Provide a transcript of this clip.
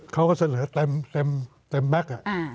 เขาก็เสนอเต็มมาก